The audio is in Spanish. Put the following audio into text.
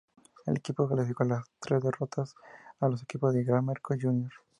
El equipo clasificó a la tras derrotar a los equipos de Gran Marcus Jr.